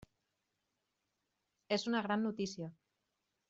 És una gran notícia.